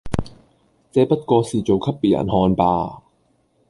這不過是做給別人看吧！